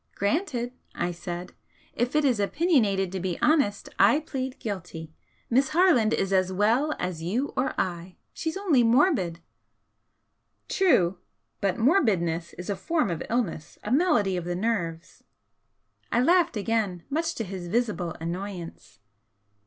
"Granted!" I said "If it is opinionated to be honest I plead guilty! Miss Harland is as well as you or I, she's only morbid." "True! but morbidness is a form of illness, a malady of the nerves " I laughed again, much to his visible annoyance.